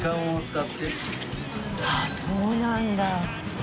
あっそうなんだ。